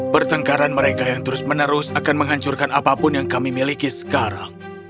pertengkaran mereka yang terus menerus akan menghancurkan apapun yang kami miliki sekarang